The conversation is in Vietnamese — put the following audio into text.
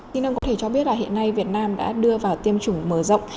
xin ông có thể cho biết là hiện nay việt nam đã đưa vào tiêm chủng mở rộng